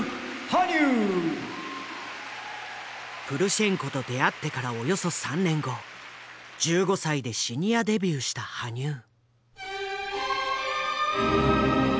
プルシェンコと出会ってからおよそ３年後１５歳でシニアデビューした羽生。